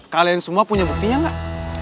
kalian semua punya buktinya nggak